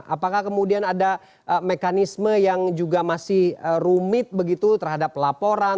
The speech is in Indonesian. apakah kemudian ada mekanisme yang juga masih rumit begitu terhadap laporan